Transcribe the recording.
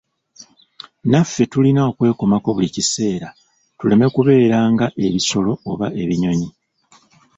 Naffe tulina okwekomako buli kiseera tuleme kubeera nga ebisolo oba ebinyonyi.